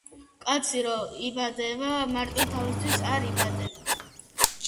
კაცი რომ იბადება, მარტო თავისთვის არ იბადება